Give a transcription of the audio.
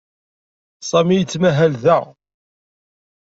Sami yettmahal da.